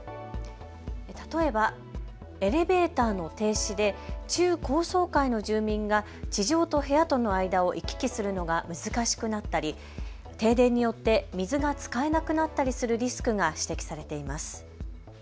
例えば、エレベーターの停止で中・高層階の住民が地上と部屋との間を行き来するのが難しくなったり停電によって水が使えなくなったりするリスクが指摘されています。